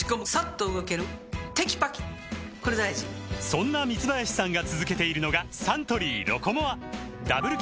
そんな三林さんが続けているのがサントリー「ロコモア」ダブル